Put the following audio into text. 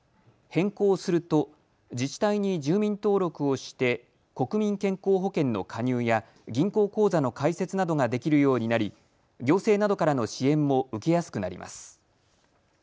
変更すると自治体に住民登録をして国民健康保険の加入や銀行口座の開設などができるようになり行政などからの支援も受けやすくなります。